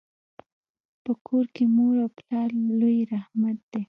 په کور کي مور او پلار لوی رحمت دی.